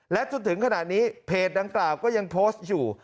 และจนถึงขณะนี้เพจดังกล่าวก็ยังโพสต์อยู่